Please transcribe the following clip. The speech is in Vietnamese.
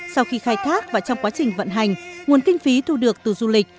sau khi khai thác và trong quá trình vận hành nguồn kinh phí thu được từ du lịch